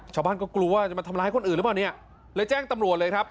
ชาวบ้านก็กลัวว่าจะมาทำร้ายคนอื่นหรือเปล่าเนี่ยเลยแจ้งตำรวจเลยครับ